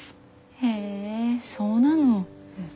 へえそうなの。